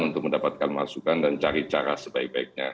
untuk mendapatkan masukan dan cari cara sebaik baiknya